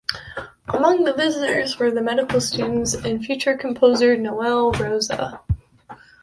Among the visitors were the medical student and future composer Noel Rosa.